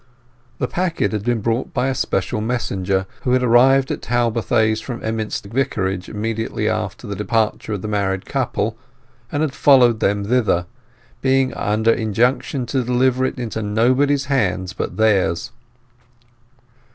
The packet had been brought by a special messenger, who had arrived at Talbothays from Emminster Vicarage immediately after the departure of the married couple, and had followed them hither, being under injunction to deliver it into nobody's hands but theirs.